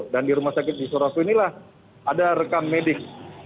dan di rumah sakit di sorowako inilah ada rekam medik